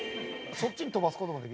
そっちに飛ばす事もできる。